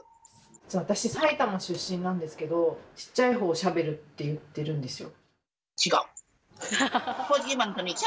実は私埼玉出身なんですけどちっちゃいほうをシャベルって言ってるんですよ。